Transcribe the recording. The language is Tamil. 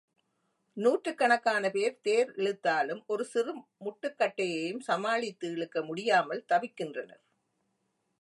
நூற்றுக்கணக்கான பேர் தேரிழுத்தாலும் ஒரு சிறு முட்டுக் கட்டையையும் சமாளித்து இழுக்க முடியாமல் தவிக்கின்றனர்.